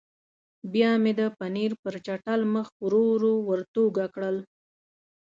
بیا مې د پنیر پر چټل مخ ورو ورو ورتوږه کړل.